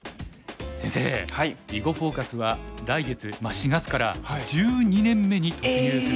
先生「囲碁フォーカス」は来月４月から１２年目に突入するんです。